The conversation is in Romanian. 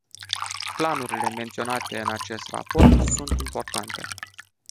Planurile menționate în acest raport sunt importante.